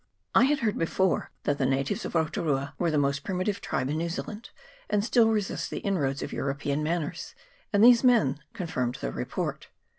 I had heard before that the natives of Rotu rua were the most primitive tribe in New Zealand, and still resist the inroads of European manners, and these men confirmed the report.